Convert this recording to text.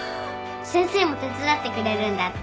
先生も手伝ってくれるんだって。